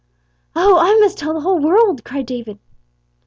"O, I must tell the whole world!" cried David.